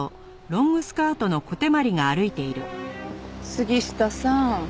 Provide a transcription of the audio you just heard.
杉下さん。